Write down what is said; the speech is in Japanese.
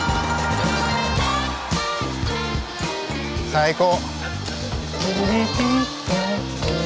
最高。